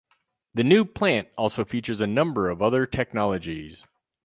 The new plant also features a number of other technologies.